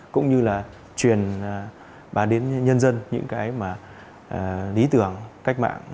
cũng như là truyền bà đến nhân dân những cái mà lý tưởng cách mạng